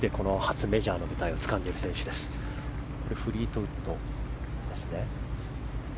フリートウッドです。